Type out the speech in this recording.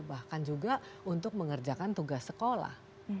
bahkan juga untuk mengerjakan tugas sekolah